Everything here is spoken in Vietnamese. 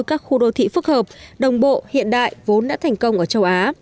các khu đô thị phức hợp đồng bộ hiện đại vốn đã thành công ở châu á